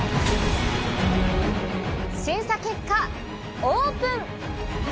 審査結果オープン！